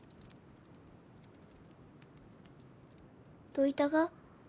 どういたが？